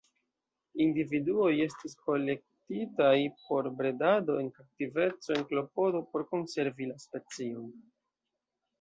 Individuoj estis kolektitaj por bredado en kaptiveco en klopodo por konservi la specion.